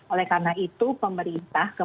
oleh karena itu pemerintah